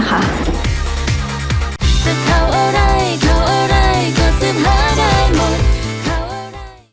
ไม่เป็นไรค่ะ